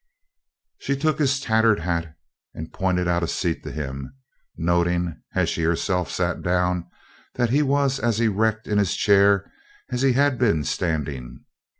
She took his tattered hat and pointed out a seat to him, noting, as she herself sat down, that he was as erect in his chair as he had been standing.